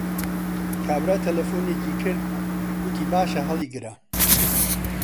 کابرا تەلەفۆنێکی کرد، گوتی باشە هەڵیگرە